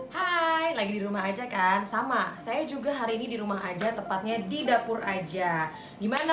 hai lagi di rumah aja kan sama saya juga hari ini di rumah aja tepatnya di dapur aja gimana